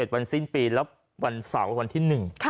วันสาวอีกวันที่๑